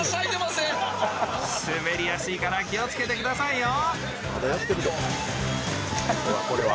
滑りやすいから気をつけてくださいよ。